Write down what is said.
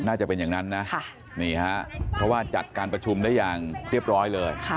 น่าจะเป็นอย่างนั้นนะนี่ฮะเพราะว่าจัดการประชุมได้อย่างเรียบร้อยเลย